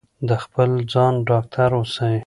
د خپل ځان ډاکټر اوسئ.